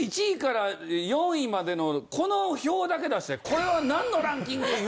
１位から４位までのこの表だけ出してこれはなんのランキング？